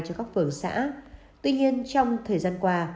cho các phường xã tuy nhiên trong thời gian qua